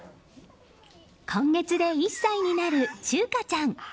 今月で１歳になる柊花ちゃん。